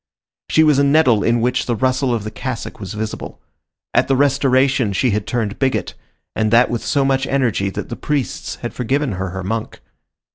She was a nettle in which the rustle of the cassock was visible. At the Restoration she had turned bigot, and that with so much energy that the priests had forgiven her her monk.